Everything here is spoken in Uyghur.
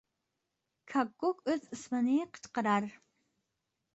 كاككۇك ئۆز ئىسمىنى قىچقىرار.